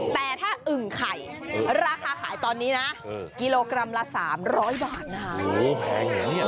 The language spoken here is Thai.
แต่ถ้าอึ่งไข่ราคาขายตอนนี้นะกิโลกรัมละ๓๐๐บาทนะคะ